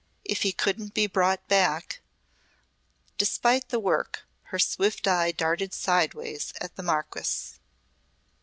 If he couldn't be brought back ! Despite the work her swift eye darted sideways at the Marquis.